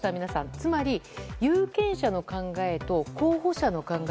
つまり、有権者の考えと候補者の考え